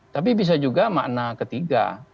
tapi bisa juga makna ketiga